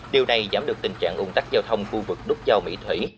điều này giảm được tình trạng ủng tắc giao thông khu vực nút giao mỹ thủy